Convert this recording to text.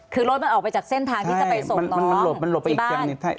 คือรถมันออกไปจากเส้นทางที่จะไปส่งน้องที่บ้าน